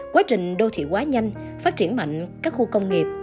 quá trình đô thị quá nhanh phát triển mạnh các khu công nghiệp